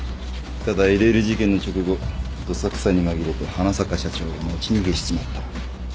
ただ ＬＬ 事件の直後どさくさに紛れて花坂社長が持ち逃げしちまった